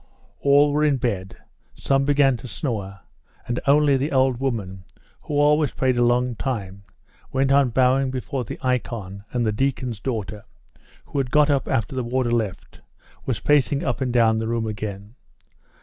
All were in bed, some began to snore; and only the old woman, who always prayed a long time, went on bowing before the icon and the deacon's daughter, who had got up after the warder left, was pacing up and down the room again.